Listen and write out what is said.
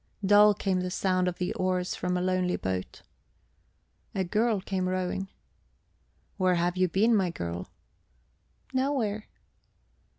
Dull came the sound of the oars from a lonely boat. A girl came rowing. "Where have you been, my girl?" "Nowhere."